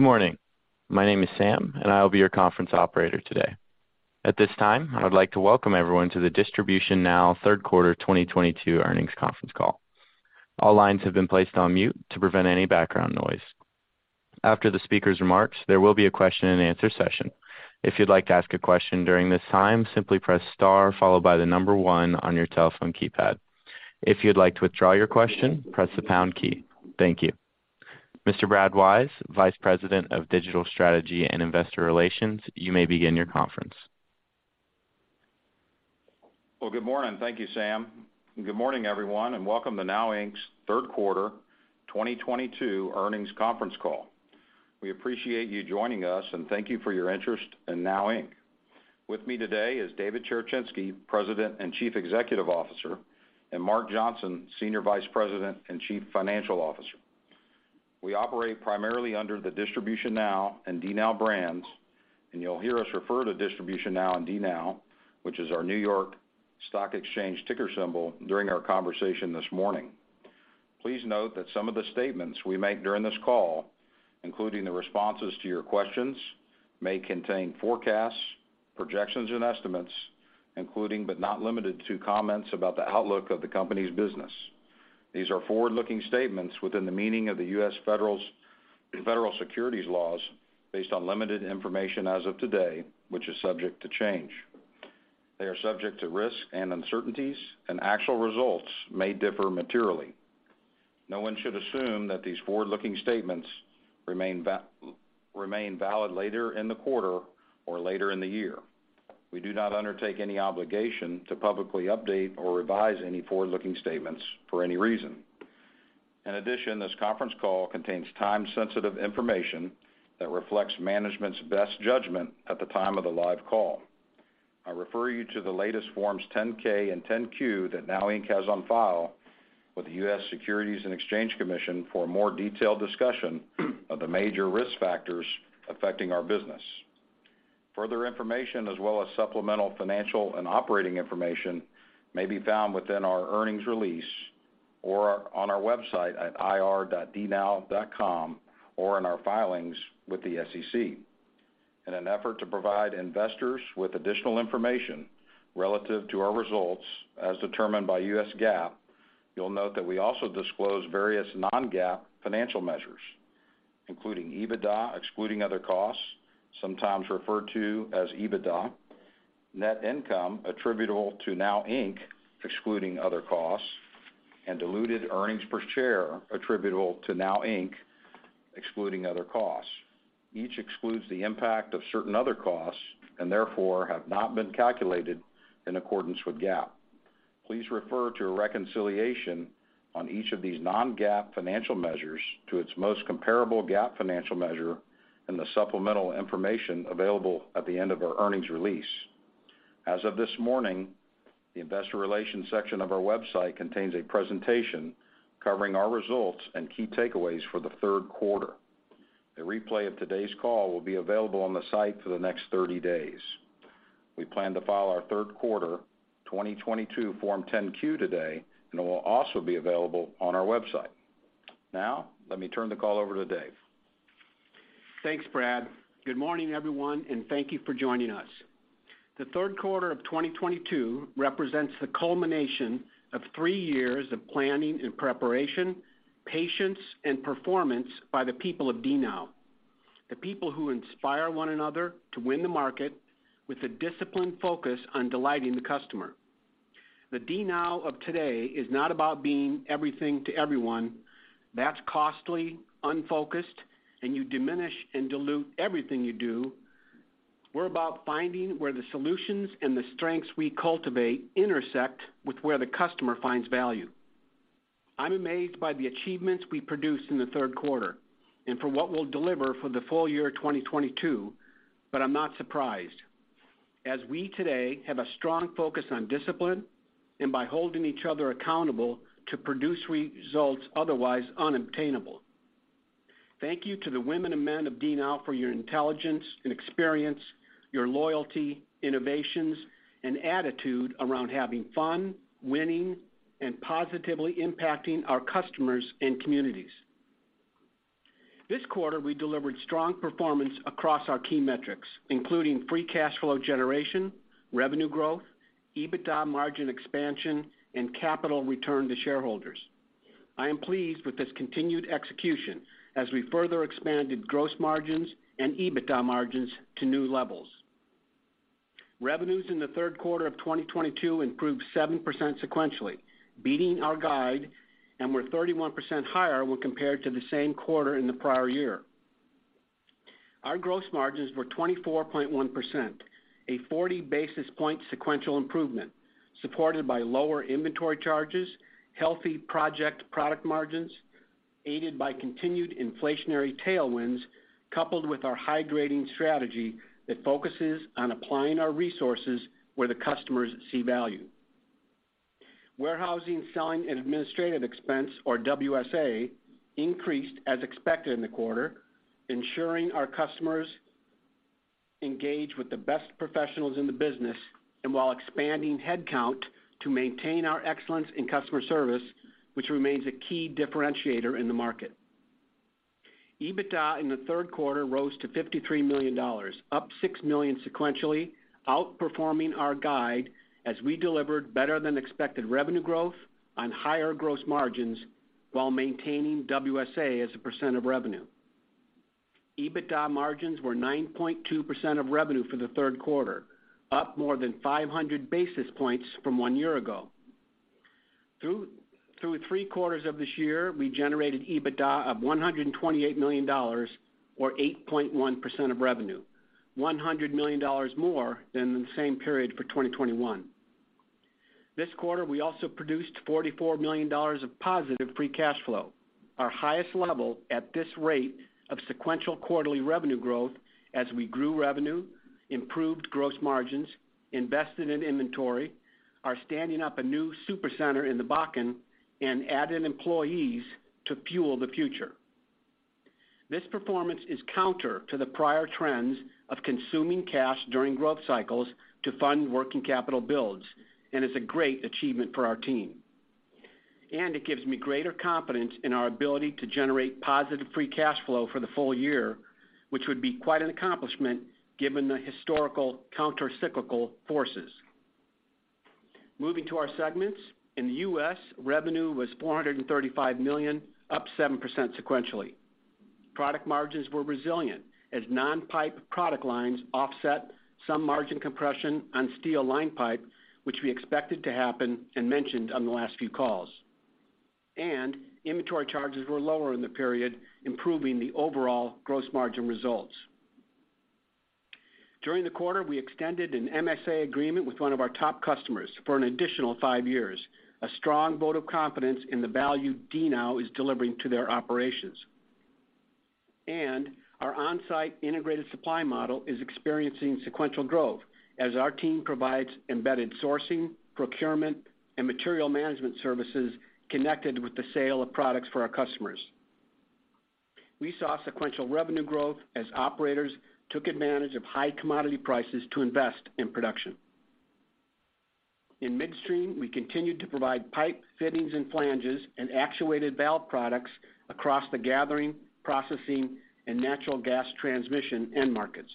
Good morning. My name is Sam, and I will be your conference operator today. At this time, I would like to welcome everyone to the DistributionNOW third quarter 2022 earnings conference call. All lines have been placed on mute to prevent any background noise. After the speaker's remarks, there will be a question-and-answer session. If you'd like to ask a question during this time, simply press star followed by the number one on your telephone keypad. If you'd like to withdraw your question, press the pound key. Thank you. Mr. Brad Wise, Vice President of Digital Strategy and Investor Relations, you may begin your conference. Well, good morning. Thank you, Sam. Good morning, everyone, and welcome to NOW Inc's third quarter 2022 earnings conference call. We appreciate you joining us, and thank you for your interest in NOW Inc. With me today is David Cherechinsky, President and Chief Executive Officer, and Mark Johnson, Senior Vice President and Chief Financial Officer. We operate primarily under the DistributionNOW and DNOW brands, and you'll hear us refer to DistributionNOW and DNOW, which is our New York Stock Exchange ticker symbol, during our conversation this morning. Please note that some of the statements we make during this call, including the responses to your questions, may contain forecasts, projections, and estimates, including but not limited to comments about the outlook of the company's business. These are forward-looking statements within the meaning of the U.S. federal securities laws based on limited information as of today, which is subject to change. They are subject to risks and uncertainties, and actual results may differ materially. No one should assume that these forward-looking statements remain valid later in the quarter or later in the year. We do not undertake any obligation to publicly update or revise any forward-looking statements for any reason. In addition, this conference call contains time-sensitive information that reflects management's best judgment at the time of the live call. I refer you to the latest Forms 10-K and 10-Q that NOW Inc has on file with the U.S. Securities and Exchange Commission for a more detailed discussion of the major risk factors affecting our business. Further information, as well as supplemental financial and operating information, may be found within our earnings release or on our website at ir.dnow.com or in our filings with the SEC. In an effort to provide investors with additional information relative to our results as determined by U.S. GAAP, you'll note that we also disclose various non-GAAP financial measures, including EBITDA excluding other costs, sometimes referred to as EBITDA, net income attributable to NOW Inc excluding other costs, and diluted earnings per share attributable to NOW Inc excluding other costs. Each excludes the impact of certain other costs and therefore have not been calculated in accordance with GAAP. Please refer to a reconciliation on each of these non-GAAP financial measures to its most comparable GAAP financial measure in the supplemental information available at the end of our earnings release. As of this morning, the investor relations section of our website contains a presentation covering our results and key takeaways for the third quarter. A replay of today's call will be available on the site for the next 30 days. We plan to file our third quarter 2022 Form 10-Q today, and it will also be available on our website. Now, let me turn the call over to Dave. Thanks, Brad. Good morning, everyone, and thank you for joining us. The third quarter of 2022 represents the culmination of 3 years of planning and preparation, patience, and performance by the people of DNOW. The people who inspire one another to win the market with a disciplined focus on delighting the customer. The DNOW of today is not about being everything to everyone. That's costly, unfocused, and you diminish and dilute everything you do. We're about finding where the solutions and the strengths we cultivate intersect with where the customer finds value. I'm amazed by the achievements we produced in the third quarter and for what we'll deliver for the full year 2022, but I'm not surprised, as we today have a strong focus on discipline and by holding each other accountable to produce results otherwise unobtainable. Thank you to the women and men of DNOW for your intelligence and experience, your loyalty, innovations, and attitude around having fun, winning, and positively impacting our customers and communities. This quarter, we delivered strong performance across our key metrics, including free cash flow generation, revenue growth, EBITDA margin expansion, and capital return to shareholders. I am pleased with this continued execution as we further expanded gross margins and EBITDA margins to new levels. Revenues in the third quarter of 2022 improved 7% sequentially, beating our guide, and were 31% higher when compared to the same quarter in the prior year. Our gross margins were 24.1%, a 40 basis points sequential improvement, supported by lower inventory charges, healthy project product margins, aided by continued inflationary tailwinds, coupled with our high-grading strategy that focuses on applying our resources where the customers see value. Warehousing, selling, and administrative expense, or WSA, increased as expected in the quarter, ensuring our customers engage with the best professionals in the business and while expanding headcount to maintain our excellence in customer service, which remains a key differentiator in the market. EBITDA in the third quarter rose to $53 million, up $6 million sequentially, outperforming our guide as we delivered better-than-expected revenue growth on higher gross margins while maintaining WSA as a percent of revenue. EBITDA margins were 9.2% of revenue for the third quarter, up more than 500 basis points from 1 year ago. Through three quarters of this year, we generated EBITDA of $128 million or 8.1% of revenue, $100 million more than the same period for 2021. This quarter, we also produced $44 million of positive free cash flow, our highest level at this rate of sequential quarterly revenue growth as we grew revenue, improved gross margins, invested in inventory, are standing up a new super center in the Bakken, and added employees to fuel the future. This performance is counter to the prior trends of consuming cash during growth cycles to fund working capital builds, and is a great achievement for our team. It gives me greater confidence in our ability to generate positive free cash flow for the full year, which would be quite an accomplishment given the historical counter-cyclical forces. Moving to our segments. In the U.S., revenue was $435 million, up 7% sequentially. Product margins were resilient as non-pipe product lines offset some margin compression on steel line pipe, which we expected to happen and mentioned on the last few calls. Inventory charges were lower in the period, improving the overall gross margin results. During the quarter, we extended an MSA agreement with one of our top customers for an additional 5 years, a strong vote of confidence in the value DNOW is delivering to their operations. Our on-site integrated supply model is experiencing sequential growth as our team provides embedded sourcing, procurement, and material management services connected with the sale of products for our customers. We saw sequential revenue growth as operators took advantage of high commodity prices to invest in production. In midstream, we continued to provide pipe fittings and flanges and actuated valve products across the gathering, processing, and natural gas transmission end markets.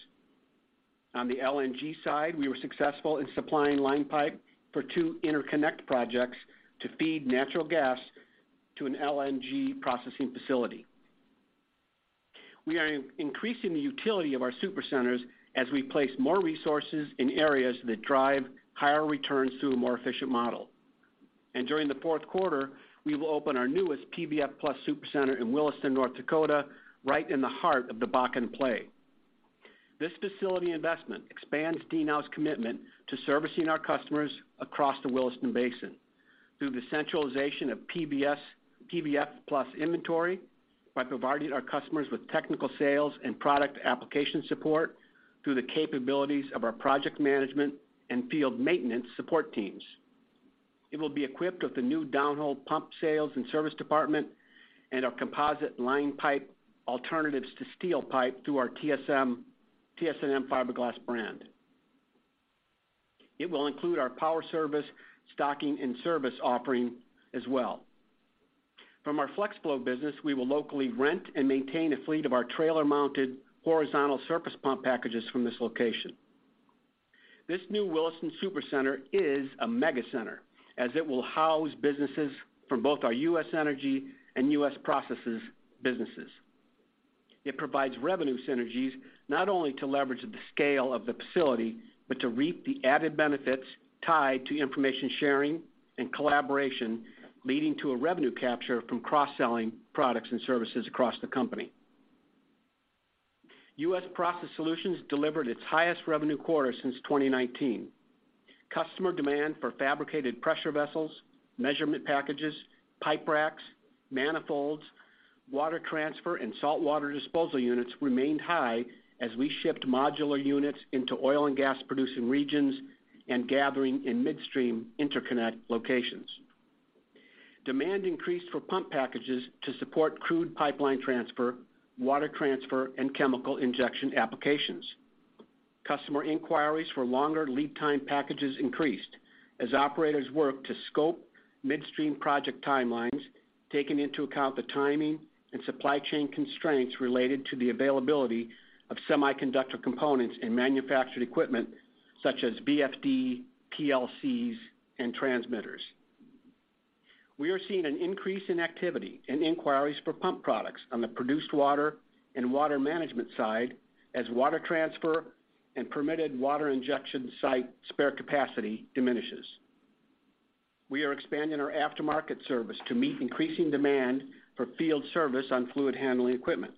On the LNG side, we were successful in supplying line pipe for two interconnect projects to feed natural gas to an LNG processing facility. We are increasing the utility of our super centers as we place more resources in areas that drive higher returns through a more efficient model. During the fourth quarter, we will open our newest PVF plus supercenter in Williston, North Dakota, right in the heart of the Bakken play. This facility investment expands DNOW's commitment to servicing our customers across the Williston Basin through the centralization of PVF plus inventory by providing our customers with technical sales and product application support through the capabilities of our project management and field maintenance support teams. It will be equipped with the new downhole pump sales and service department and our composite line pipe alternatives to steel pipe through our TS&M fiberglass brand. It will include our power service, stocking, and service offering as well. From our Flex Flow business, we will locally rent and maintain a fleet of our trailer-mounted horizontal surface pump packages from this location. This new Williston super center is a mega center, as it will house businesses from both our U.S. Energy and U.S. Process Solutions businesses. It provides revenue synergies not only to leverage the scale of the facility, but to reap the added benefits tied to information sharing and collaboration, leading to a revenue capture from cross-selling products and services across the company. U.S. Process Solutions delivered its highest revenue quarter since 2019. Customer demand for fabricated pressure vessels, measurement packages, pipe racks, manifolds, water transfer, and saltwater disposal units remained high as we shipped modular units into oil and gas-producing regions and gathering in midstream interconnect locations. Demand increased for pump packages to support crude pipeline transfer, water transfer, and chemical injection applications. Customer inquiries for longer lead time packages increased as operators work to scope midstream project timelines, taking into account the timing and supply chain constraints related to the availability of semiconductor components and manufactured equipment such as VFD, PLCs, and transmitters. We are seeing an increase in activity and inquiries for pump products on the produced water and water management side as water transfer and permitted water injection site spare capacity diminishes. We are expanding our aftermarket service to meet increasing demand for field service on fluid handling equipment.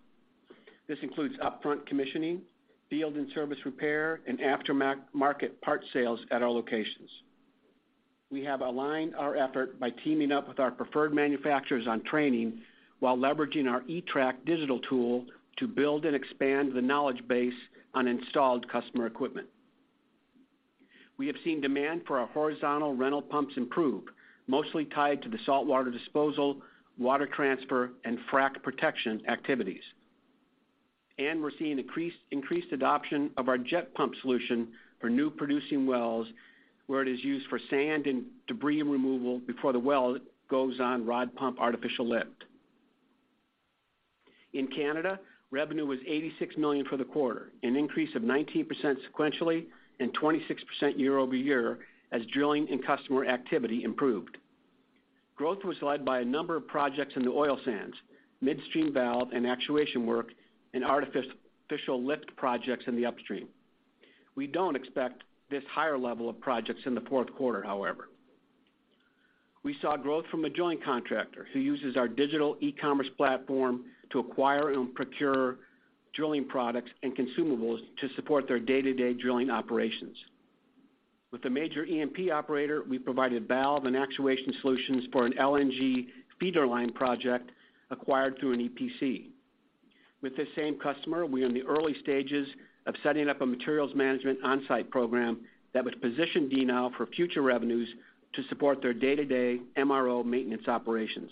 This includes upfront commissioning, field and service repair, and aftermarket part sales at our locations. We have aligned our effort by teaming up with our preferred manufacturers on training while leveraging our eTrack digital tool to build and expand the knowledge base on installed customer equipment. We have seen demand for our horizontal rental pumps improve, mostly tied to the saltwater disposal, water transfer, and frac protection activities. We're seeing increased adoption of our jet pump solution for new producing wells, where it is used for sand and debris removal before the well goes on rod pump artificial lift. In Canada, revenue was $86 million for the quarter, an increase of 19% sequentially and 26% year-over-year as drilling and customer activity improved. Growth was led by a number of projects in the oil sands, midstream valve and actuation work, and artificial lift projects in the upstream. We don't expect this higher level of projects in the fourth quarter, however. We saw growth from a joint contractor who uses our digital e-commerce platform to acquire and procure drilling products and consumables to support their day-to-day drilling operations. With a major E&P operator, we provided valve and actuation solutions for an LNG feeder line project acquired through an EPC. With this same customer, we are in the early stages of setting up a materials management on-site program that would position DNOW for future revenues to support their day-to-day MRO maintenance operations.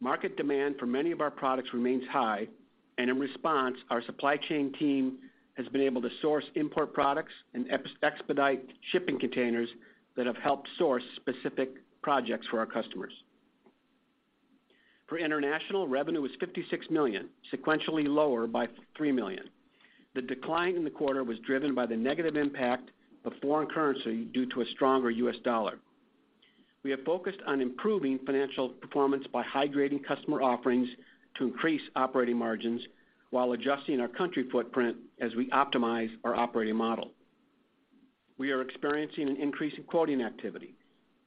Market demand for many of our products remains high, and in response, our supply chain team has been able to source import products and expedite shipping containers that have helped source specific projects for our customers. For international, revenue was $56 million, sequentially lower by $3 million. The decline in the quarter was driven by the negative impact of foreign currency due to a stronger U.S. dollar. We have focused on improving financial performance by high-grading customer offerings to increase operating margins while adjusting our country footprint as we optimize our operating model. We are experiencing an increase in quoting activity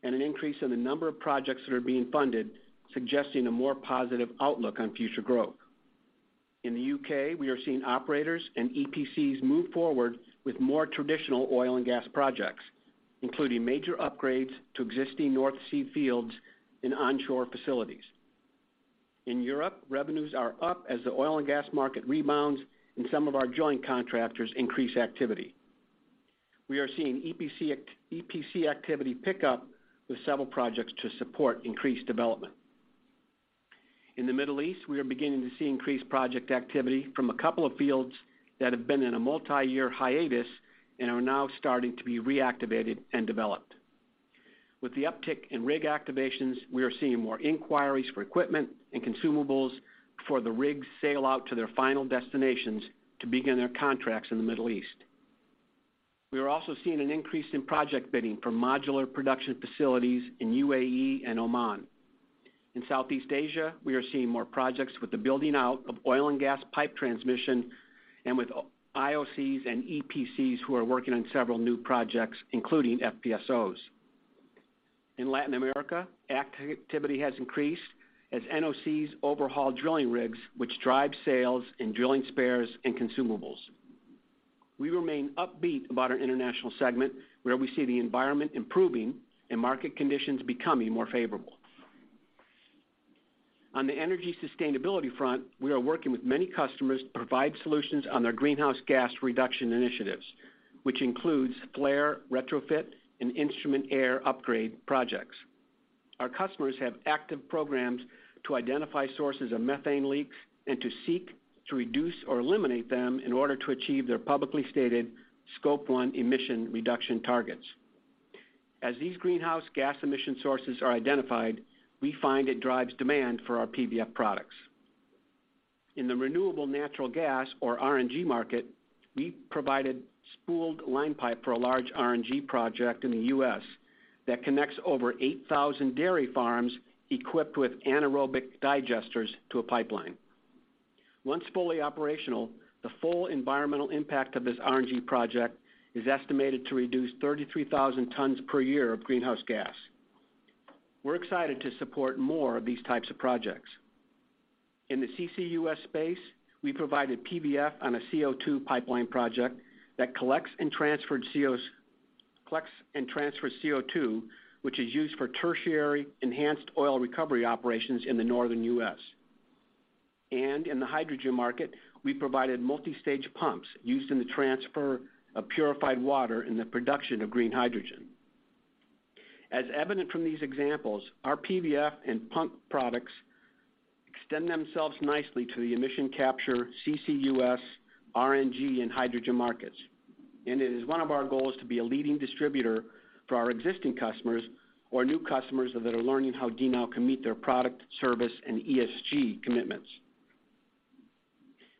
and an increase in the number of projects that are being funded, suggesting a more positive outlook on future growth. In the U.K., we are seeing operators and EPCs move forward with more traditional oil and gas projects, including major upgrades to existing North Sea fields and onshore facilities. In Europe, revenues are up as the oil and gas market rebounds and some of our joint contractors increase activity. We are seeing EPC activity pick up with several projects to support increased development. In the Middle East, we are beginning to see increased project activity from a couple of fields that have been in a multiyear hiatus and are now starting to be reactivated and developed. With the uptick in rig activations, we are seeing more inquiries for equipment and consumables before the rigs sail out to their final destinations to begin their contracts in the Middle East. We are also seeing an increase in project bidding for modular production facilities in U.A.E. and Oman. In Southeast Asia, we are seeing more projects with the building out of oil and gas pipe transmission and with IOCs and EPCs who are working on several new projects, including FPSOs. In Latin America, activity has increased as NOCs overhaul drilling rigs, which drive sales in drilling spares and consumables. We remain upbeat about our international segment, where we see the environment improving and market conditions becoming more favorable. On the energy sustainability front, we are working with many customers to provide solutions on their greenhouse gas reduction initiatives, which includes flare retrofit and instrument air upgrade projects. Our customers have active programs to identify sources of methane leaks and to seek to reduce or eliminate them in order to achieve their publicly stated Scope 1 emission reduction targets. As these greenhouse gas emission sources are identified, we find it drives demand for our PVF products. In the renewable natural gas or RNG market, we provided spooled line pipe for a large RNG project in the U.S. that connects over 8,000 dairy farms equipped with anaerobic digesters to a pipeline. Once fully operational, the full environmental impact of this RNG project is estimated to reduce 33,000 tons per year of greenhouse gas. We're excited to support more of these types of projects. In the CCUS space, we provided PVF on a CO2 pipeline project that collects and transfers CO2, which is used for tertiary enhanced oil recovery operations in the northern U.S. In the hydrogen market, we provided multi-stage pumps used in the transfer of purified water in the production of green hydrogen. As evident from these examples, our PVF and pump products extend themselves nicely to the emission capture CCUS, RNG, and hydrogen markets. It is one of our goals to be a leading distributor for our existing customers or new customers that are learning how DNOW can meet their product, service, and ESG commitments.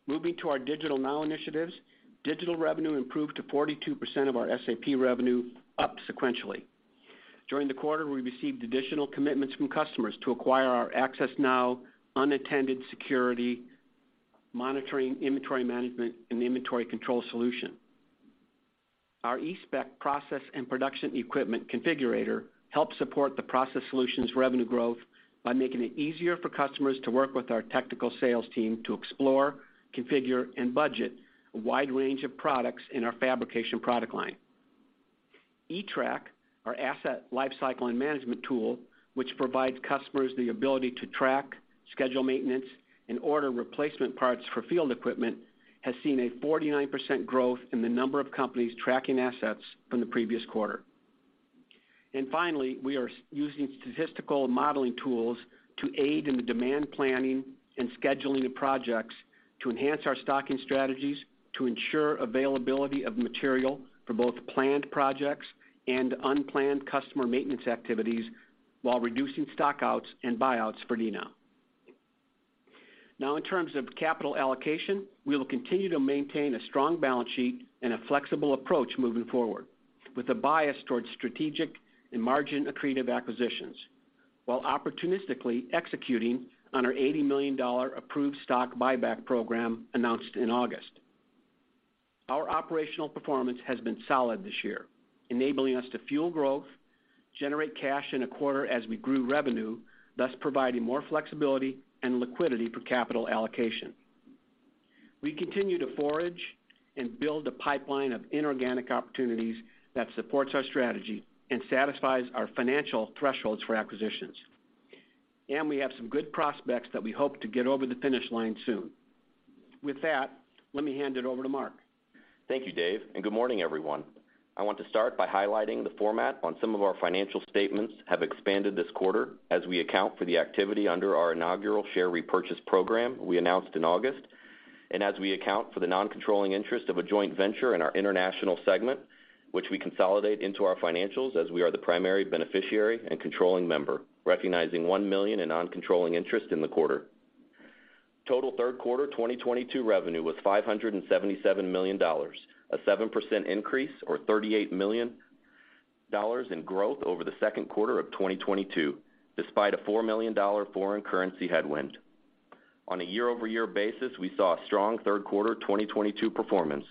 Moving to our DigitalNOW initiatives, digital revenue improved to 42% of our SAP revenue, up sequentially. During the quarter, we received additional commitments from customers to acquire our AccessNOW unattended security monitoring, inventory management, and inventory control solution. Our eSpec process and production equipment configurator helped support the process solutions revenue growth by making it easier for customers to work with our technical sales team to explore, configure, and budget a wide range of products in our fabrication product line. eTrack, our asset lifecycle and management tool, which provides customers the ability to track, schedule maintenance, and order replacement parts for field equipment, has seen a 49% growth in the number of companies tracking assets from the previous quarter. Finally, we are using statistical modeling tools to aid in the demand planning and scheduling of projects to enhance our stocking strategies to ensure availability of material for both planned projects and unplanned customer maintenance activities while reducing stock-outs and buyouts for DNOW. Now, in terms of capital allocation, we will continue to maintain a strong balance sheet and a flexible approach moving forward, with a bias towards strategic and margin-accretive acquisitions, while opportunistically executing on our $80 million approved stock buyback program announced in August. Our operational performance has been solid this year, enabling us to fuel growth, generate cash in a quarter as we grew revenue, thus providing more flexibility and liquidity for capital allocation. We continue to forage and build a pipeline of inorganic opportunities that supports our strategy and satisfies our financial thresholds for acquisitions. We have some good prospects that we hope to get over the finish line soon. With that, let me hand it over to Mark. Thank you, Dave, and good morning, everyone. I want to start by highlighting the format on some of our financial statements have expanded this quarter as we account for the activity under our inaugural share repurchase program we announced in August, and as we account for the non-controlling interest of a joint venture in our international segment, which we consolidate into our financials as we are the primary beneficiary and controlling member, recognizing $1 million in non-controlling interest in the quarter. Total third quarter 2022 revenue was $577 million, a 7% increase or $38 million in growth over the second quarter of 2022, despite a $4 million foreign currency headwind. On a year-over-year basis, we saw a strong third quarter 2022 performance,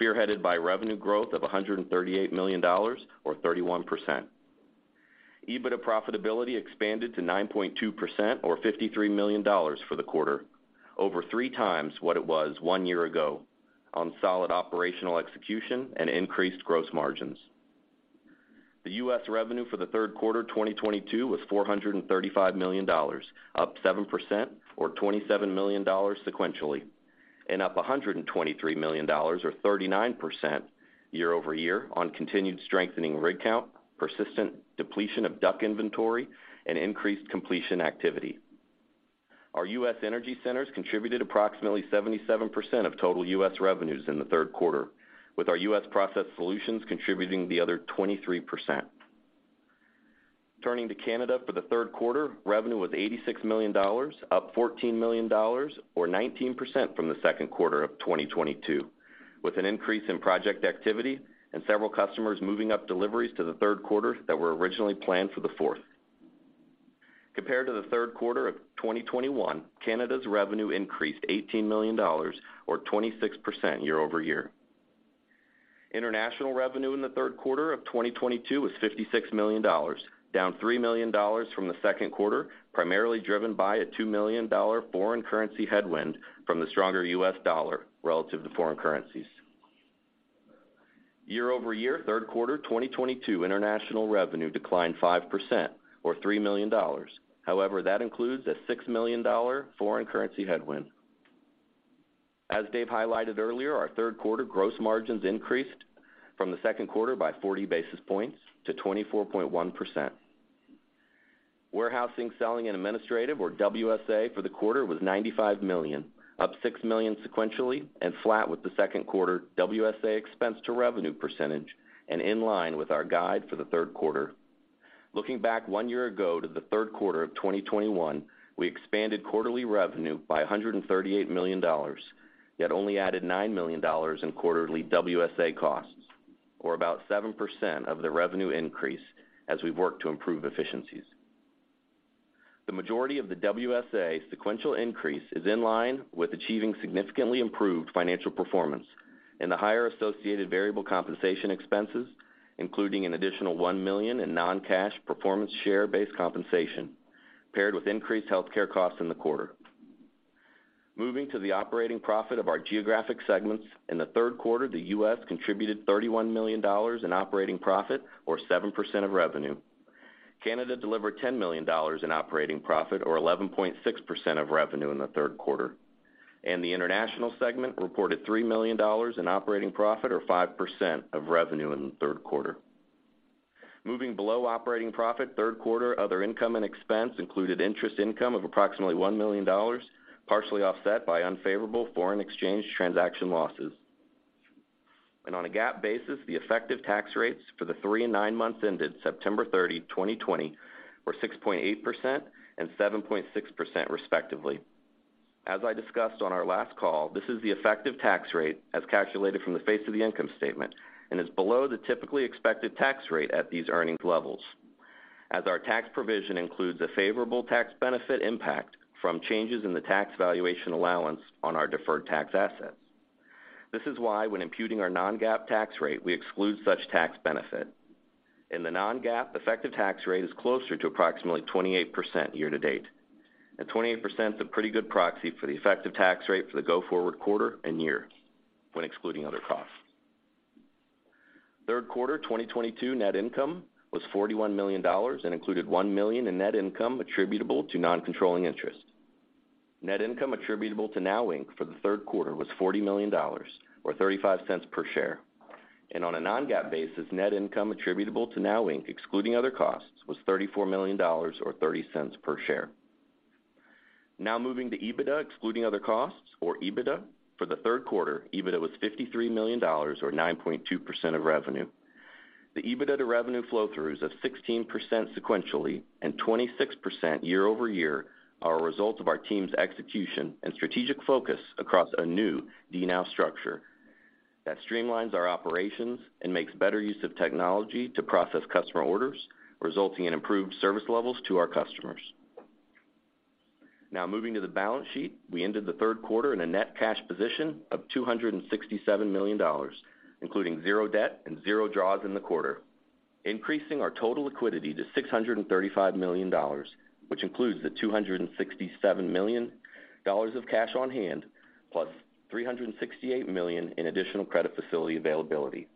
spearheaded by revenue growth of $138 million or 31%. EBITDA profitability expanded to 9.2% or $53 million for the quarter, over 3x what it was 1 year ago, on solid operational execution and increased gross margins. The U.S. revenue for the third quarter 2022 was $435 million, up 7% or $27 million sequentially, and up $123 million or 39% year-over-year on continued strengthening rig count, persistent depletion of DUC inventory, and increased completion activity. Our U.S. energy centers contributed approximately 77% of total U.S. revenues in the third quarter, with our U.S. process solutions contributing the other 23%. Turning to Canada for the third quarter, revenue was $86 million, up $14 million or 19% from the second quarter of 2022, with an increase in project activity and several customers moving up deliveries to the third quarter that were originally planned for the fourth. Compared to the third quarter of 2021, Canada's revenue increased $18 million or 26% year-over-year. International revenue in the third quarter of 2022 was $56 million, down $3 million from the second quarter, primarily driven by a $2 million foreign currency headwind from the stronger U.S. dollar relative to foreign currencies. Year-over-year, third quarter 2022 international revenue declined 5% or $3 million. However, that includes a $6 million foreign currency headwind. As Dave highlighted earlier, our third quarter gross margins increased from the second quarter by 40 basis points to 24.1%. Warehousing, selling, and administrative, or WSA, for the quarter was $95 million, up $6 million sequentially and flat with the second quarter WSA expense to revenue percentage and in line with our guide for the third quarter. Looking back 1 year ago to the third quarter of 2021, we expanded quarterly revenue by $138 million, yet only added $9 million in quarterly WSA costs, or about 7% of the revenue increase as we've worked to improve efficiencies. The majority of the WSA sequential increase is in line with achieving significantly improved financial performance and the higher associated variable compensation expenses, including an additional $1 million in non-cash performance share-based compensation paired with increased healthcare costs in the quarter. Moving to the operating profit of our geographic segments. In the third quarter, the U.S. contributed $31 million in operating profit or 7% of revenue. Canada delivered $10 million in operating profit or 11.6% of revenue in the third quarter. The international segment reported $3 million in operating profit or 5% of revenue in the third quarter. Moving below operating profit, third quarter other income and expense included interest income of approximately $1 million, partially offset by unfavorable foreign exchange transaction losses. On a GAAP basis, the effective tax rates for the three and nine months ended September 30, 2020, were 6.8% and 7.6% respectively. As I discussed on our last call, this is the effective tax rate as calculated from the face of the income statement and is below the typically expected tax rate at these earnings levels, as our tax provision includes a favorable tax benefit impact from changes in the tax valuation allowance on our deferred tax assets. This is why when imputing our non-GAAP tax rate, we exclude such tax benefit. In the non-GAAP effective tax rate is closer to approximately 28% year to date. 28% is a pretty good proxy for the effective tax rate for the go-forward quarter and year when excluding other costs. Third quarter 2022 net income was $41 million and included $1 million in net income attributable to non-controlling interest. Net income attributable to NOW Inc for the third quarter was $40 million, or $0.35 per share. On a non-GAAP basis, net income attributable to NOW Inc, excluding other costs, was $34 million or 30 cents per share. Now moving to EBITDA excluding other costs, or EBITDA. For the third quarter, EBITDA was $53 million or 9.2% of revenue. The EBITDA to revenue flow-throughs of 16% sequentially and 26% year-over-year are a result of our team's execution and strategic focus across a new DNOW structure that streamlines our operations and makes better use of technology to process customer orders, resulting in improved service levels to our customers. Now moving to the balance sheet. We ended the third quarter in a net cash position of $267 million, including zero debt and zero draws in the quarter, increasing our total liquidity to $635 million, which includes the $267 million of cash on hand, +$368 million in additional credit facility availability.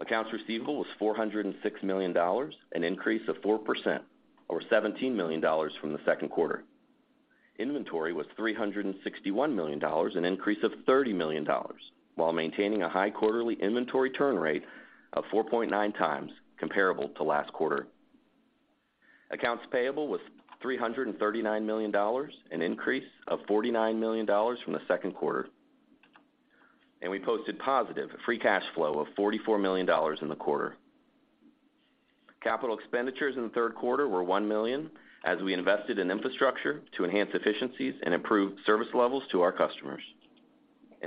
Accounts receivable was $406 million, an increase of 4% or $17 million from the second quarter. Inventory was $361 million, an increase of $30 million, while maintaining a high quarterly inventory turn rate of 4.9x comparable to last quarter. Accounts payable was $339 million, an increase of $49 million from the second quarter. We posted positive free cash flow of $44 million in the quarter. Capital expenditures in the third quarter were $1 million as we invested in infrastructure to enhance efficiencies and improve service levels to our customers.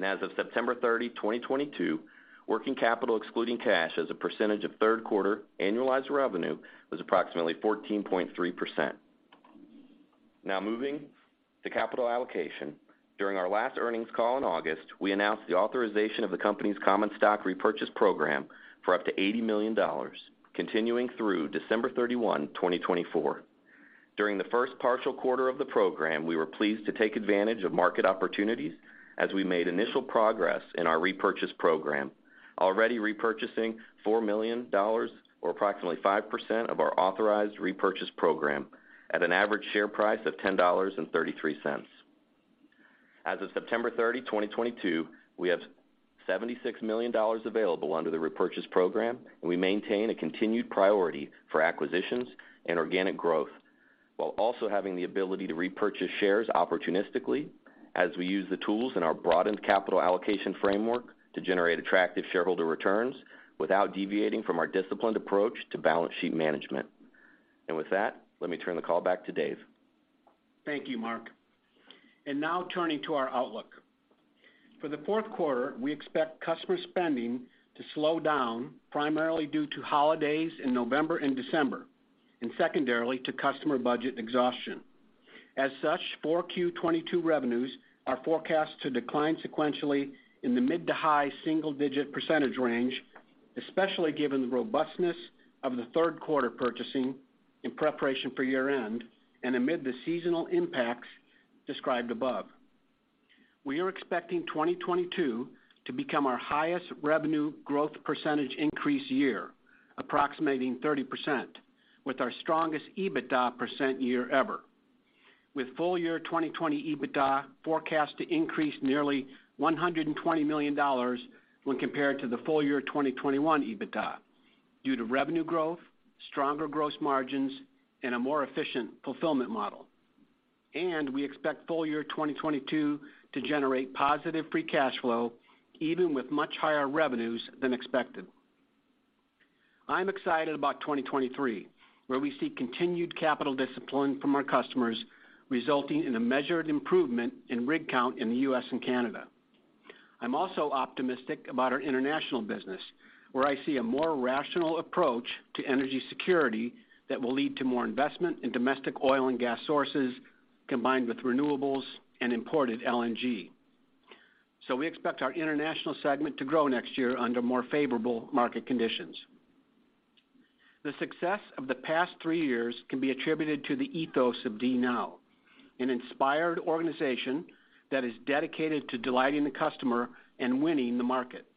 As of September 30, 2022, working capital excluding cash as a percentage of third quarter annualized revenue was approximately 14.3%. Now moving to capital allocation. During our last earnings call in August, we announced the authorization of the company's common stock repurchase program for up to $80 million, continuing through December 31, 2024. During the first partial quarter of the program, we were pleased to take advantage of market opportunities as we made initial progress in our repurchase program, already repurchasing $4 million or approximately 5% of our authorized repurchase program at an average share price of $10.33. As of September 30, 2022, we have $76 million available under the repurchase program, and we maintain a continued priority for acquisitions and organic growth, while also having the ability to repurchase shares opportunistically as we use the tools in our broadened capital allocation framework to generate attractive shareholder returns without deviating from our disciplined approach to balance sheet management. With that, let me turn the call back to Dave. Thank you, Mark. Now turning to our outlook. For the fourth quarter, we expect customer spending to slow down, primarily due to holidays in November and December, and secondarily to customer budget exhaustion. As such, 4Q 2022 revenues are forecast to decline sequentially in the mid- to high single-digit % range, especially given the robustness of the third quarter purchasing in preparation for year-end and amid the seasonal impacts described above. We are expecting 2022 to become our highest revenue growth percentage increase year, approximating 30%, with our strongest EBITDA percent year ever. With full year 2022 EBITDA forecast to increase nearly $120 million when compared to the full year 2021 EBITDA due to revenue growth, stronger gross margins, and a more efficient fulfillment model. We expect full year 2022 to generate positive free cash flow, even with much higher revenues than expected. I'm excited about 2023, where we see continued capital discipline from our customers, resulting in a measured improvement in rig count in the U.S. and Canada. I'm also optimistic about our international business, where I see a more rational approach to energy security that will lead to more investment in domestic oil and gas sources, combined with renewables and imported LNG. We expect our international segment to grow next year under more favorable market conditions. The success of the past 3 years can be attributed to the ethos of DNOW, an inspired organization that is dedicated to delighting the customer and winning the market.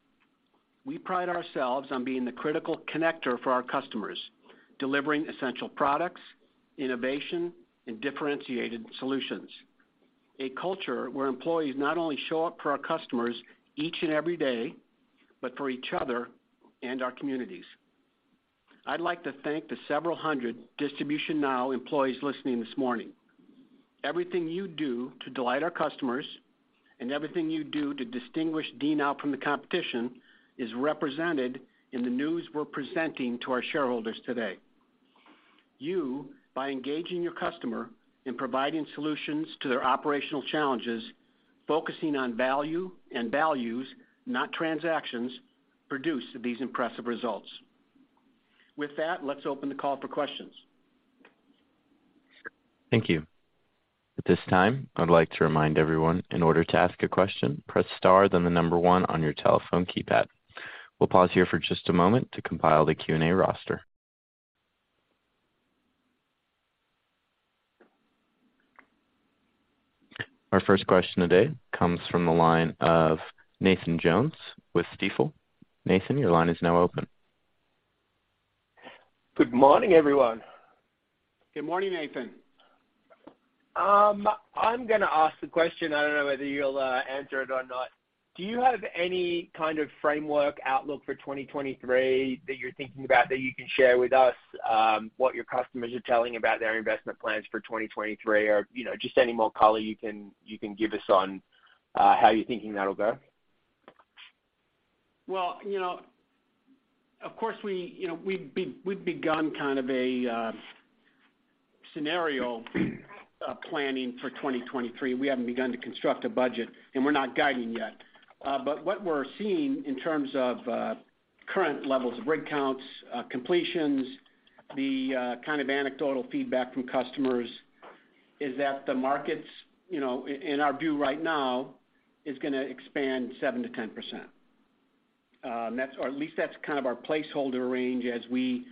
We pride ourselves on being the critical connector for our customers, delivering essential products, innovation, and differentiated solutions. A culture where employees not only show up for our customers each and every day, but for each other and our communities. I'd like to thank the several hundred DistributionNOW employees listening this morning. Everything you do to delight our customers and everything you do to distinguish DNOW from the competition is represented in the news we're presenting to our shareholders today. You, by engaging your customer in providing solutions to their operational challenges, focusing on value and values, not transactions, produce these impressive results. With that, let's open the call for questions. Thank you. At this time, I'd like to remind everyone, in order to ask a question, press star then the number one on your telephone keypad. We'll pause here for just a moment to compile the Q&A roster. Our first question today comes from the line of Nathan Jones with Stifel. Nathan, your line is now open. Good morning, everyone. Good morning, Nathan. I'm gonna ask the question. I don't know whether you'll answer it or not. Do you have any kind of framework outlook for 2023 that you're thinking about that you can share with us, what your customers are telling about their investment plans for 2023 or, you know, just any more color you can give us on how you're thinking that'll go? Well, you know, of course, we, you know, we've begun kind of a scenario planning for 2023. We haven't begun to construct a budget, and we're not guiding yet. What we're seeing in terms of current levels of rig counts, completions, the kind of anecdotal feedback from customers is that the markets, you know, in our view right now is gonna expand 7%-10%. That's or at least that's kind of our placeholder range as we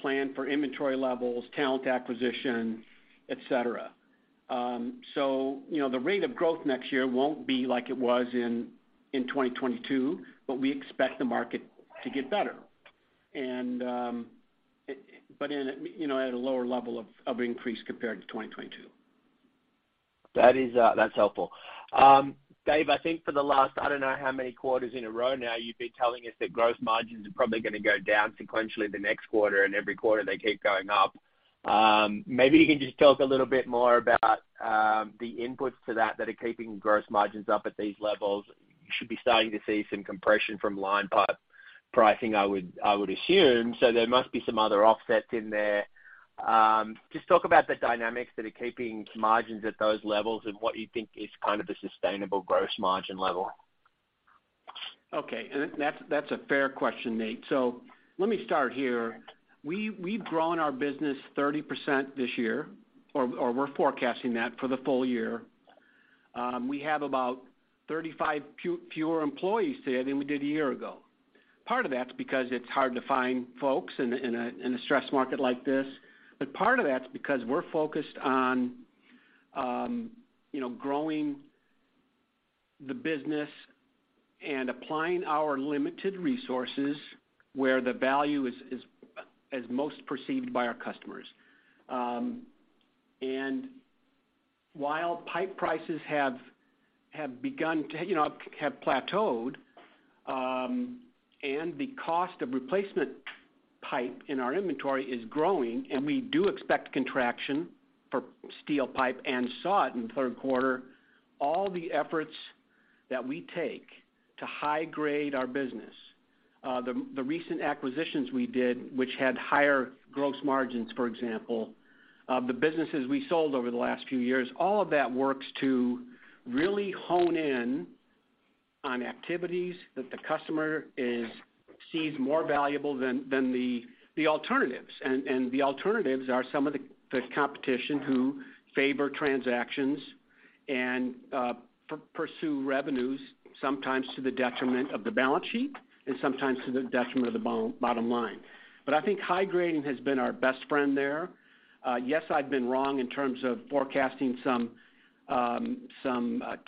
plan for inventory levels, talent acquisition, etc. You know, the rate of growth next year won't be like it was in 2022, but we expect the market to get better. At a lower level of increase compared to 2022. That is, that's helpful. Dave, I think for the last, I don't know how many quarters in a row now, you've been telling us that gross margins are probably gonna go down sequentially the next quarter, and every quarter they keep going up. Maybe you can just talk a little bit more about the inputs to that that are keeping gross margins up at these levels. You should be starting to see some compression from line pipe pricing, I would assume. There must be some other offsets in there. Just talk about the dynamics that are keeping margins at those levels and what you think is kind of the sustainable gross margin level. Okay. That's a fair question, Nate. Let me start here. We've grown our business 30% this year, or we're forecasting that for the full year. We have about 35 fewer employees today than we did a year ago. Part of that's because it's hard to find folks in a stressed market like this. But part of that's because we're focused on growing the business and applying our limited resources where the value is most perceived by our customers. While pipe prices have begun to plateau, the cost of replacement pipe in our inventory is growing, and we do expect contraction for steel pipe and saw it in the third quarter. All the efforts that we take to high grade our business, the recent acquisitions we did, which had higher gross margins, for example, the businesses we sold over the last few years, all of that works to really hone in on activities that the customer sees more valuable than the alternatives. The alternatives are some of the competition who favor transactions and pursue revenues, sometimes to the detriment of the balance sheet and sometimes to the detriment of the bottom line. I think high grading has been our best friend there. Yes, I've been wrong in terms of forecasting some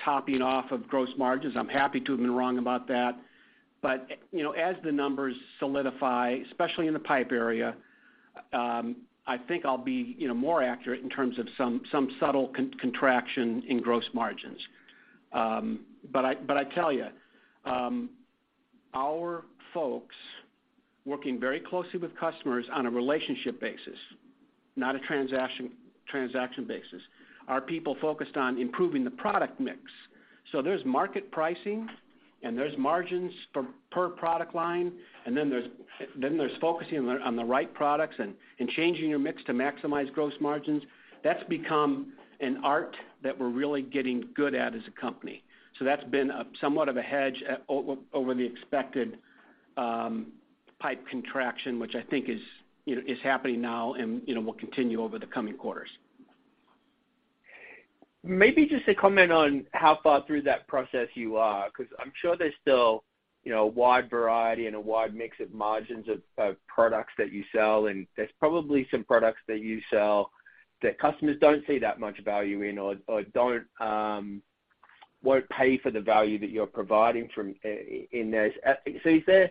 topping off of gross margins. I'm happy to have been wrong about that. You know, as the numbers solidify, especially in the pipe area, I think I'll be, you know, more accurate in terms of some subtle contraction in gross margins. I tell you, our folks working very closely with customers on a relationship basis, not a transaction basis, are people focused on improving the product mix. There's market pricing, and there's margins per product line, and then there's focusing on the right products and changing your mix to maximize gross margins. That's become an art that we're really getting good at as a company. That's been somewhat of a hedge over the expected pipe contraction, which I think is, you know, happening now and, you know, will continue over the coming quarters. Maybe just a comment on how far through that process you are, 'cause I'm sure there's still, you know, a wide variety and a wide mix of margins of products that you sell, and there's probably some products that you sell that customers don't see that much value in or don't won't pay for the value that you're providing from in those. So is there,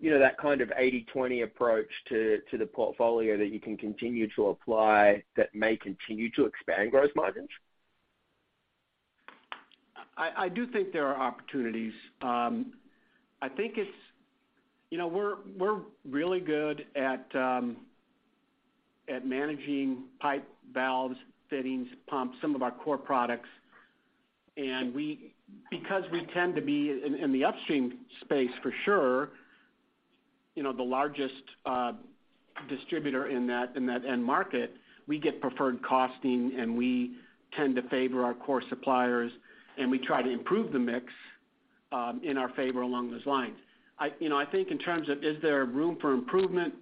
you know, that kind of eighty/twenty approach to the portfolio that you can continue to apply that may continue to expand gross margins? I do think there are opportunities. I think it's you know, we're really good at managing pipe valves, fittings, pumps, some of our core products. Because we tend to be in the upstream space for sure, you know, the largest distributor in that end market, we get preferred costing, and we tend to favor our core suppliers, and we try to improve the mix in our favor along those lines. I think in terms of is there room for improvement.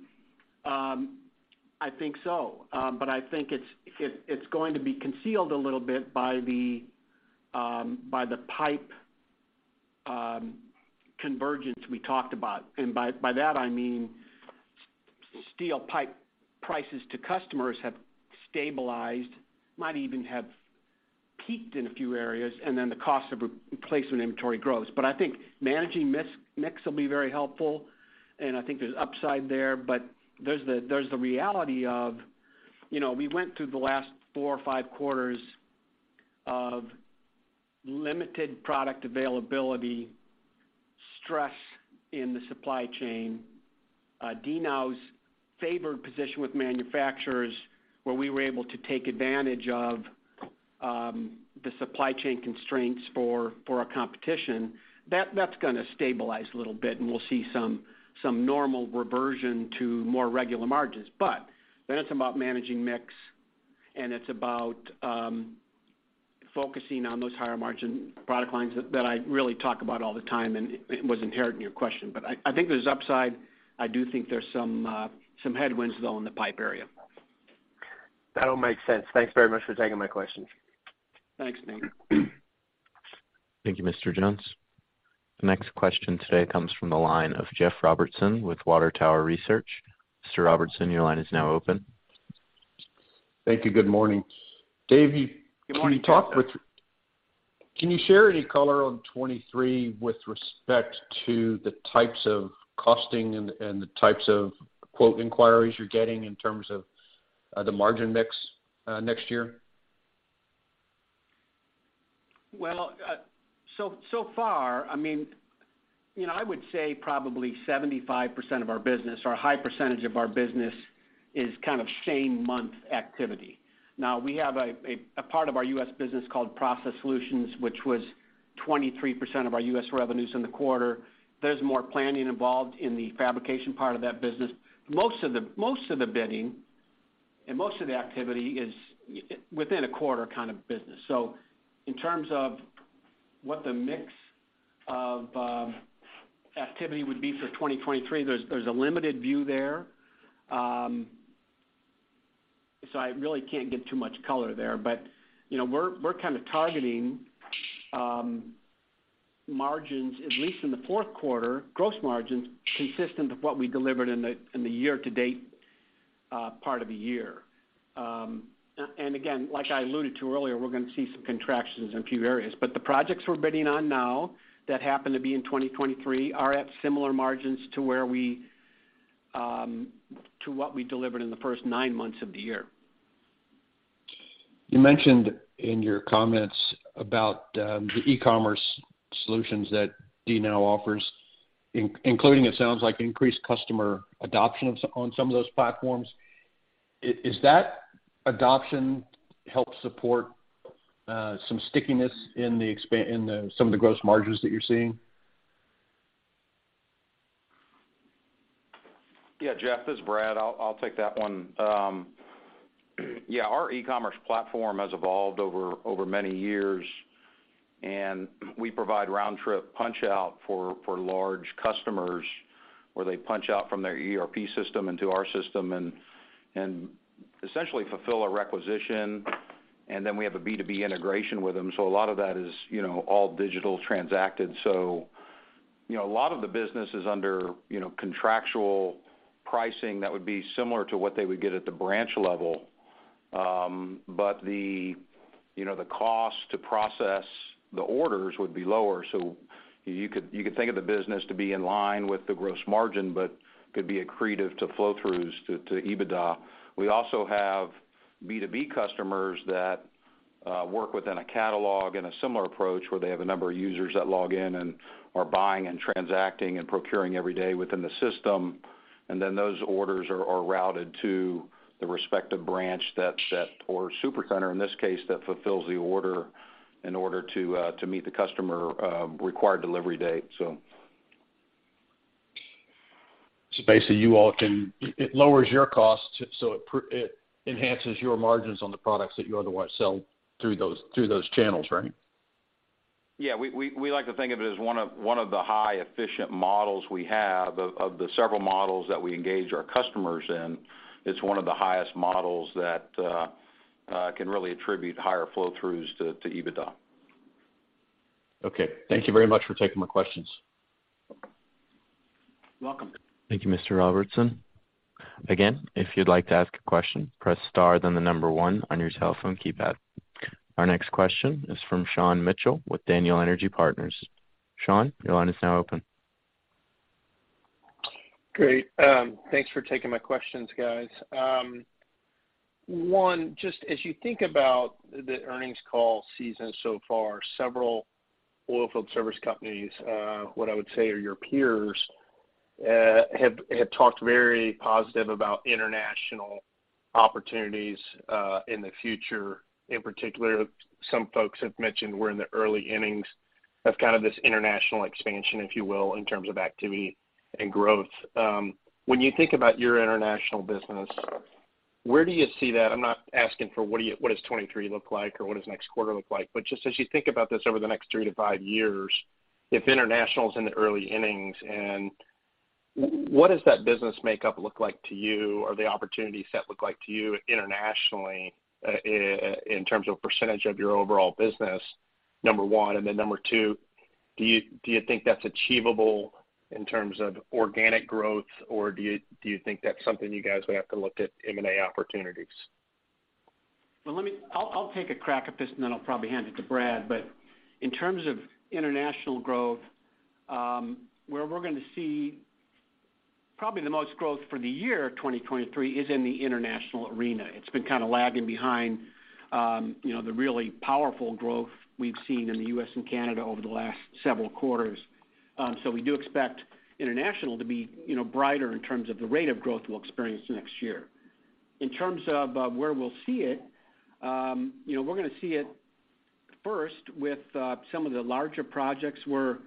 I think so. I think it's going to be concealed a little bit by the pipe convergence we talked about. By that I mean steel pipe prices to customers have stabilized, might even have peaked in a few areas, and then the cost of replacement inventory grows. I think managing mix will be very helpful, and I think there's upside there. There's the reality of, you know, we went through the last four or five quarters of limited product availability, stress in the supply chain, DNOW's favored position with manufacturers, where we were able to take advantage of the supply chain constraints for our competition. That's gonna stabilize a little bit, and we'll see some normal reversion to more regular margins. It's about managing mix, and it's about focusing on those higher margin product lines that I really talk about all the time, and it was inherent in your question. I think there's upside. I do think there's some headwinds, though, in the pipe area. That all makes sense. Thanks very much for taking my question. Thanks, Nate. Thank you, Mr. Jones. The next question today comes from the line of Jeff Robertson with Water Tower Research. Mr. Robertson, your line is now open. Thank you. Good morning. Good morning, Jeff. Dave, can you share any color on 2023 with respect to the types of costing and the types of quote inquiries you're getting in terms of the margin mix next year? So far, I mean, you know, I would say probably 75% of our business, or a high percentage of our business is kind of same-month activity. Now we have a part of our U.S. business called U.S. Process Solutions, which was 23% of our U.S. revenues in the quarter. There's more planning involved in the fabrication part of that business. Most of the bidding and most of the activity is within a quarter kind of business. In terms of what the mix of activity would be for 2023, there's a limited view there. I really can't give too much color there. You know, we're kind of targeting margins, at least in the fourth quarter, gross margins consistent with what we delivered in the year-to-date part of the year. Again, like I alluded to earlier, we're gonna see some contractions in a few areas. The projects we're bidding on now that happen to be in 2023 are at similar margins to what we delivered in the first nine months of the year. You mentioned in your comments about the e-commerce solutions that DNOW offers, including, it sounds like, increased customer adoption on some of those platforms. Is that adoption help support some stickiness in the expansion in some of the gross margins that you're seeing? Yeah, Jeff, this is Brad. I'll take that one. Yeah, our e-commerce platform has evolved over many years, and we provide round-trip punchout for large customers, where they punch out from their ERP system into our system and essentially fulfill a requisition. We have a B2B integration with them. A lot of that is, you know, all digitally transacted. You know, a lot of the business is under, you know, contractual pricing that would be similar to what they would get at the branch level. You know, the cost to process the orders would be lower. You could think of the business to be in line with the gross margin, but could be accretive to flow-throughs to EBITDA. We also have B2B customers that work within a catalog in a similar approach, where they have a number of users that log in and are buying and transacting and procuring every day within the system. Those orders are routed to the respective branch or supercenter, in this case, that fulfills the order in order to meet the customer required delivery date. It lowers your costs, so it enhances your margins on the products that you otherwise sell through those channels, right? Yeah. We like to think of it as one of the high efficient models we have of the several models that we engage our customers in. It's one of the highest models that can really attribute higher flow throughs to EBITDA. Okay. Thank you very much for taking my questions. You're welcome. Thank you, Mr. Robertson. Again, if you'd like to ask a question, press star then the number one on your telephone keypad. Our next question is from Sean Mitchell with Daniel Energy Partners. Sean, your line is now open. Great. Thanks for taking my questions, guys. One, just as you think about the earnings call season so far, several oilfield service companies, what I would say are your peers, have talked very positive about international opportunities, in the future. In particular, some folks have mentioned we're in the early innings of kind of this international expansion, if you will, in terms of activity and growth. When you think about your international business. Where do you see that? I'm not asking for what do you. What does 2023 look like or what does next quarter look like, but just as you think about this over the next 3 to 5 years, if international's in the early innings, and what does that business makeup look like to you or the opportunity set look like to you internationally in terms of percentage of your overall business, number one? And then number two, do you think that's achievable in terms of organic growth, or do you think that's something you guys would have to look at M&A opportunities? Well, I'll take a crack at this, and then I'll probably hand it to Brad. In terms of international growth, where we're gonna see probably the most growth for the year 2023 is in the international arena. It's been kinda lagging behind, you know, the really powerful growth we've seen in the U.S. and Canada over the last several quarters. We do expect international to be, you know, brighter in terms of the rate of growth we'll experience next year. In terms of where we'll see it, you know, we're gonna see it first with some of the larger projects where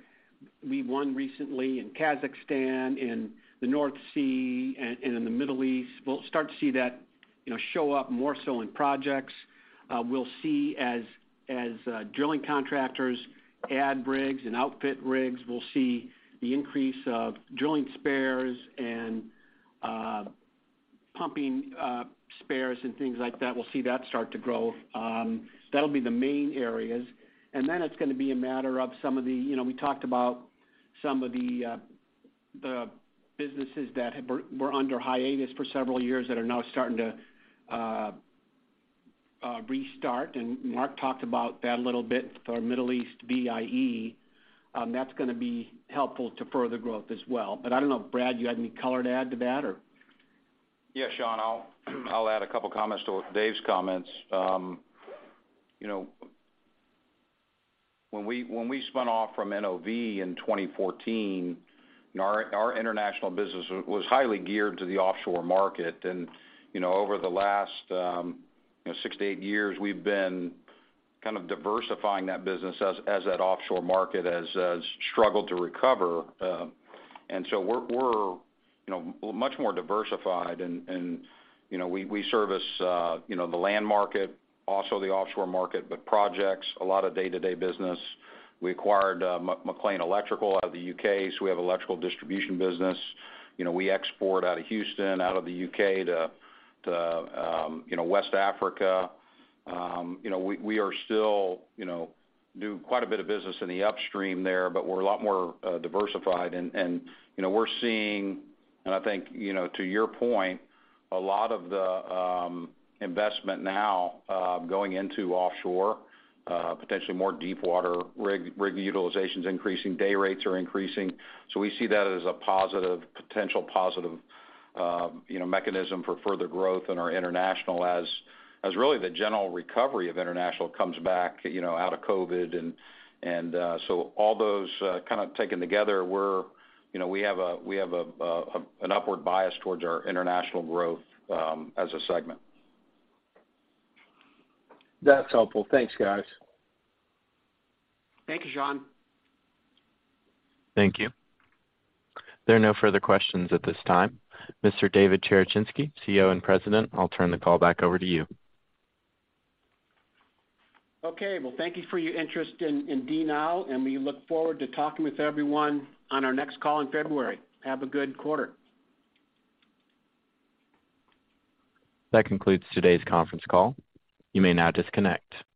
we won recently in Kazakhstan, in the North Sea, and in the Middle East. We'll start to see that, you know, show up more so in projects. We'll see drilling contractors add rigs and outfit rigs. We'll see the increase of drilling spares and pumping spares and things like that. We'll see that start to grow. That'll be the main areas. Then it's gonna be a matter of some of the, you know, we talked about some of the businesses that were under hiatus for several years that are now starting to restart. Mark talked about that a little bit for Middle East BIE. That's gonna be helpful to further growth as well. I don't know, Brad, do you have any color to add to that or? Yeah, Sean, I'll add a couple comments to Dave's comments. You know, when we spun off from NOV in 2014, our international business was highly geared to the offshore market. You know, over the last 6-8 years, we've been kind of diversifying that business as that offshore market has struggled to recover. We're you know, much more diversified and you know, we service the land market, also the offshore market, but projects, a lot of day-to-day business. We acquired MacLean Electrical out of the U.K., so we have electrical distribution business. You know, we export out of Houston, out of the U.K. to West Africa. You know, we are still, you know, do quite a bit of business in the upstream there, but we're a lot more diversified. You know, we're seeing, and I think, you know, to your point, a lot of the investment now going into offshore, potentially more deepwater. Rig utilization's increasing, day rates are increasing. We see that as a positive, potential positive, you know, mechanism for further growth in our international as really the general recovery of international comes back, you know, out of COVID. All those kind of taken together, you know, we have an upward bias towards our international growth as a segment. That's helpful. Thanks, guys. Thank you, Sean. Thank you. There are no further questions at this time. Mr. David Cherechinsky, CEO and President, I'll turn the call back over to you. Okay. Well, thank you for your interest in DNOW, and we look forward to talking with everyone on our next call in February. Have a good quarter. That concludes today's conference call. You may now disconnect.